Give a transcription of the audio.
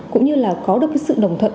cũng như là có được sự đồng thuận